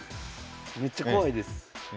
めっちゃ怖いです。